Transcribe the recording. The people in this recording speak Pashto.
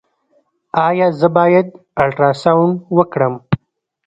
ایا زه باید الټراساونډ وکړم؟